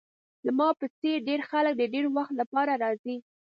زما په څیر ډیر خلک د ډیر وخت لپاره راځي